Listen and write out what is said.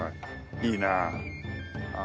いいなあ。